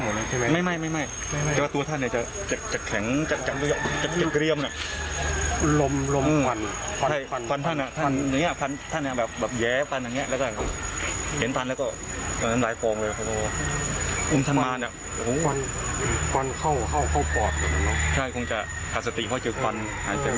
อุ้มทรรมานควรเข้าปลอดควรจะกัดสติเพราะเจอควร